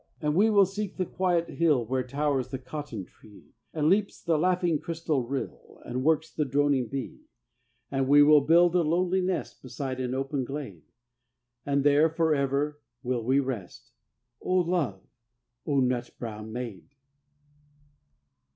And we will seek the quiet hill Where towers the cotton tree, And leaps the laughing crystal rill, And works the droning bee. And we will build a lonely nest Beside an open glade, And there forever will we rest, O love O nut brown maid!